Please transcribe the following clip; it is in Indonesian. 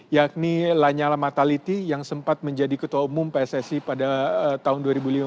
yakni lanyala mataliti yang sempat menjadi ketua umum pssi pada tahun dua ribu lima belas dua ribu enam belas